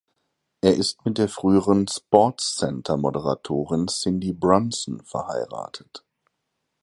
Er ist mit der früheren SportsCenter-Moderatorin Cindy Brunson verheiratet.